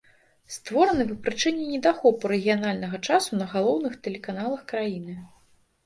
Створаны па прычыне недахопу рэгіянальнага часу на галоўных тэлеканалах краіны.